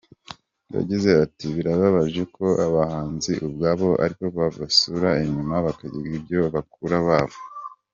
Yagize ati : ”Birababaje ko abahanzi ubwabo ari bo basubira inyuma bakigana ibya bakuru babo.